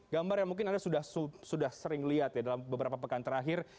gambar yang mungkin anda sudah sering lihat ya dalam beberapa pekan terakhir